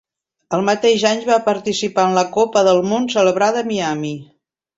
El mateix any va participar en la Copa del Món celebrada a Miami.